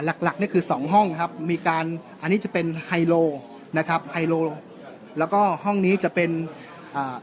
หลักหลักนี่คือสองห้องครับมีการอันนี้จะเป็นไฮโลนะครับไฮโลแล้วก็ห้องนี้จะเป็นอ่า